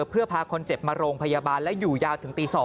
เพื่อพาคนเจ็บมาโรงพยาบาลและอยู่ยาวถึงตี๒